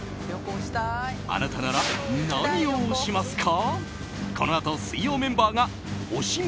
あなたなら何を推しますか？